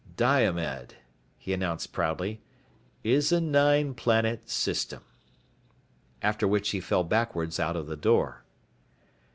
"Diomed," he announced proudly, "is a nine planet system." After which he fell backwards out of the door.